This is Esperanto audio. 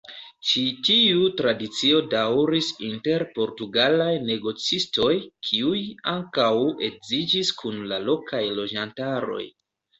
Ĉi tiu tradicio daŭris inter portugalaj negocistoj kiuj ankaŭ edziĝis kun la lokaj loĝantaroj.